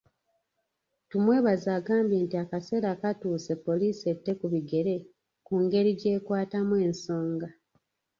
Tumwebaze agambye nti akaseera katuuse poliisi ette ku bigere ku ngeri gy'ekwatamu ensonga.